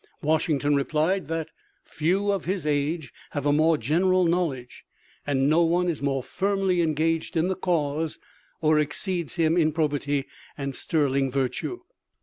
Washington replied that "few of his age have a more general knowledge, and no one is more firmly engaged in the cause, or exceeds him in probity and sterling virtue."